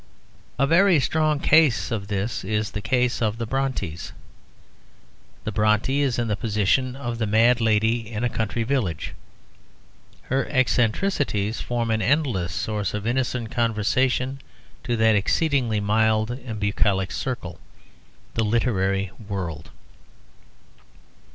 A very strong case of this is the case of the Brontës. The Brontë is in the position of the mad lady in a country village; her eccentricities form an endless source of innocent conversation to that exceedingly mild and bucolic circle, the literary world.